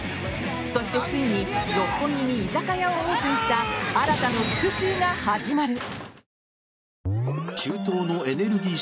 そしてついに六本木に居酒屋をオープンした新の復讐が始まる。